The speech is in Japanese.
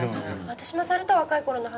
私もされた若い頃の話。